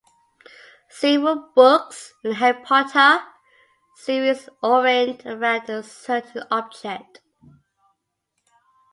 Several books in the Harry Potter series orient around a certain object.